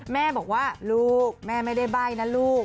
แม่บอกว่าลูกแม่ไม่ได้ใบ้นะลูก